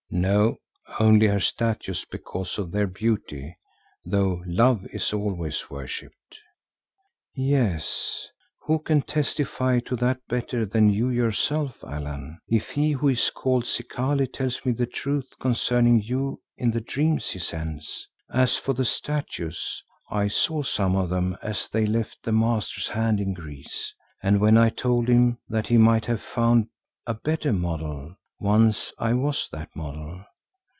"No, only her statues because of their beauty, though Love is always worshipped." "Yes, who can testify to that better than you yourself, Allan, if he who is called Zikali tells me the truth concerning you in the dreams he sends? As for the statues, I saw some of them as they left the master's hand in Greece, and when I told him that he might have found a better model, once I was that model.